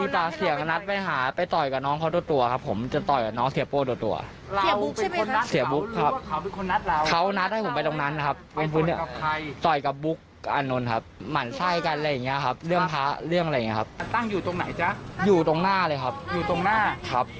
แต่ตั้งอยู่ตรงไหนจ๊ะอยู่ตรงหน้าเลยครับอยู่ตรงหน้าครับ